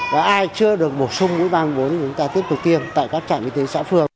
và ai chưa được bổ sung mũi ba mũi bốn thì chúng ta tiếp tục tiêm tại các trạm y tế xã phường